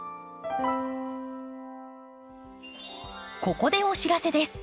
ここでお知らせです。